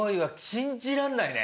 信じらんないね。